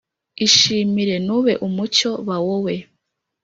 ishimire. nube umucyo. ba wowe.